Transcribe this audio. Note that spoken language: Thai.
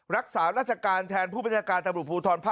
รักษารัชการแทนผู้บัญชาการตมพภ๑